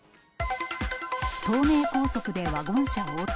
東名高速でワゴン車横転。